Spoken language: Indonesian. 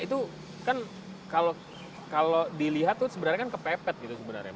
itu kan kalau dilihat tuh sebenarnya kan kepepet gitu sebenarnya